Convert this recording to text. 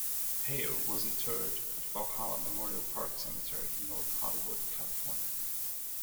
Hale was interred at Valhalla Memorial Park Cemetery in North Hollywood, California.